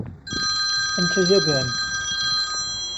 أنتَ جبان!